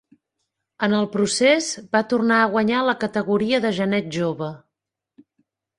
En el procés, va tornar a guanyar la categoria de genet jove.